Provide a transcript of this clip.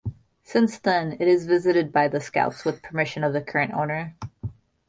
Since then it is visited by scouts with permission of the current owner.